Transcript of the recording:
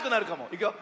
いくよ。